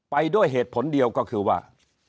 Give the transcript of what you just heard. ไปด้วยเหตุผลเดียวก็คือว่า